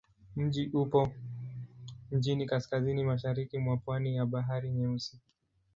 Mji upo mjini kaskazini-mashariki mwa pwani ya Bahari Nyeusi.